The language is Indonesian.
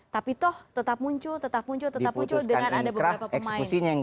tapi toh tetap muncul tetap muncul tetap muncul dengan ada beberapa pemain